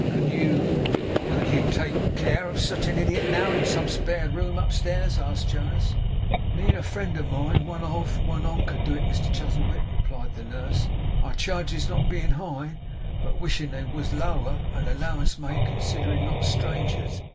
'Could you could you take care of such an idiot, now, in some spare room upstairs?' asked Jonas. 'Me and a friend of mine, one off, one on, could do it, Mr Chuzzlewit,' replied the nurse; 'our charges not bein' high, but wishin' they was lower, and allowance made considerin' not strangers.